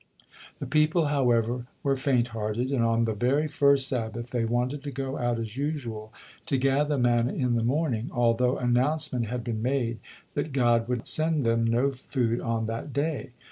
The people, however, were fainthearted, and on the very first Sabbath, they wanted to go out as usual to gather manna in the morning, although announcement had been made that God would send them no food on that day.